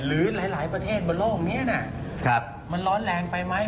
หรือหลายประเทศบนโลกนี้มันร้อนแรงไปไหม